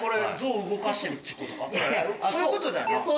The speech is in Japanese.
そういうことだろ。